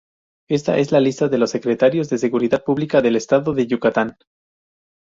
Esta es la lista de los Secretarios de Seguridad Pública del estado de Yucatán.